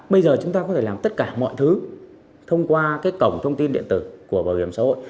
bây giờ chúng ta có thể làm tất cả mọi thứ thông qua cổng thông tin điện tử của bảo hiểm xã hội